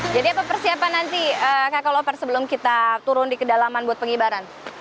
jadi apa persiapan nanti kakak loper sebelum kita turun di kedalaman buat pengibaran